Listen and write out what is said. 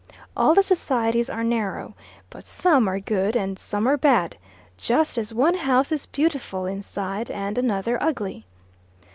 All the societies are narrow, but some are good and some are bad just as one house is beautiful inside and another ugly.